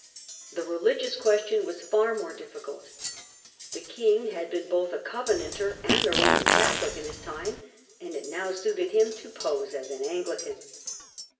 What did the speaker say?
The religious question was far more difficult. The king had been both a Covenanter and a Roman Catholic in his time, and it now suited him to pose as an Anglican.